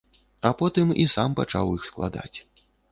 А потым і сам пачаў іх складаць.